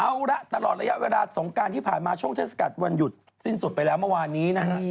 เอาละตลอดระยะเวลาสงการที่ผ่านมาช่วงเทศกาลวันหยุดสิ้นสุดไปแล้วเมื่อวานนี้นะฮะ